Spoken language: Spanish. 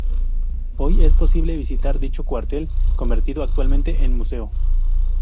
Hoy es posible visitar dicho cuartel convertido actualmente en museo.